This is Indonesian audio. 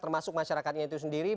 termasuk masyarakatnya itu sendiri